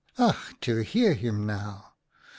" Ach ! to hear him now !